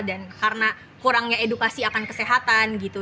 dan karena kurangnya edukasi akan kesehatan gitu